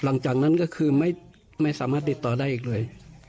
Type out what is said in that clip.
หลังจากนั้นก็คือไม่สามารถติดต่อได้อีกเลย